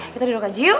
kita duduk aja yuk